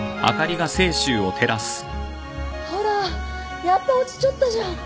ほらやっぱ落ちちょったじゃん。